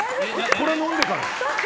これ、飲んでから。